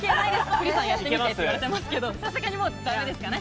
栗さんやってみてって言われてますけれども、さすがにもうだめですかね。